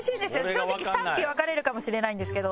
正直賛否分かれるかもしれないんですけど。